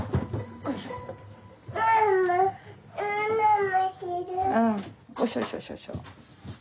よいしょしょしょしょ。